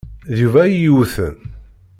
D Yuba ay iyi-yewten.